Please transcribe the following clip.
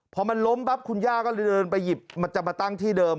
พอมันล้มปั๊บคุณย่าก็เลยเดินไปหยิบมันจะมาตั้งที่เดิม